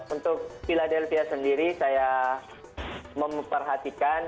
untuk philadelphia sendiri saya memperhatikan